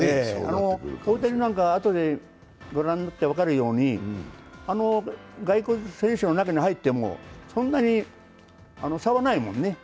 あとでご覧になって分かるように、外国選手の中に入ってもそんなに差はないもんね。